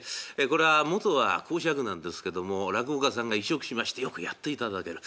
これは元は講釈なんですけども落語家さんが移植しましてよくやっていただける。